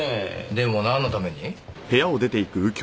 でもなんのために？